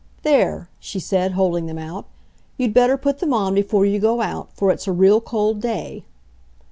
"There," she said, holding them out, "you'd better put them on before you go out, for it's a real cold day."